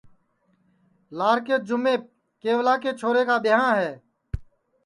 لاکے جُمیپ کیولا کے چھورے کا ٻہاں ہے